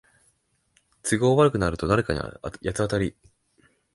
都合悪くなると誰かに八つ当たり